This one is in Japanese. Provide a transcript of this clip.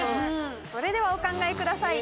それではお考えください。